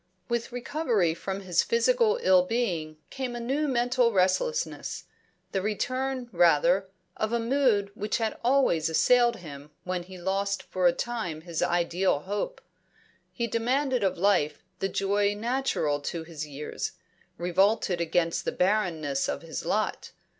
With recovery from his physical ill being came a new mental restlessness; the return, rather, of a mood which had always assailed him when he lost for a time his ideal hope. He demanded of life the joy natural to his years; revolted against the barrenness of his lot.